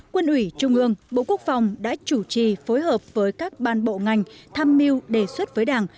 quân ủy trung ương bộ quốc phòng đã chủ trì phối hợp với các ban bộ ngành tham mưu đề xuất với đảng